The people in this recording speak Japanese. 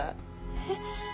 えっ？